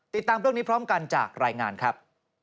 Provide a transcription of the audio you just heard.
ติดตามเรื่องนี้พร้อมกันจากรายงานครับ